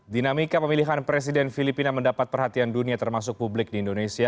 dinamika pemilihan presiden filipina mendapat perhatian dunia termasuk publik di indonesia